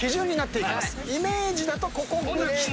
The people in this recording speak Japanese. イメージだとここに来て。